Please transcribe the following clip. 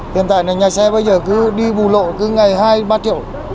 hiện tại nhà xe bây giờ cứ đi vụ lộ cứ ngày hai ba triệu